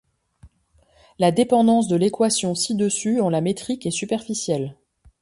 La dépendance de l'équation ci-dessus en la métrique est superficielle.